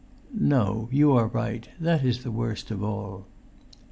"No ... you are right ... that is the worst of all."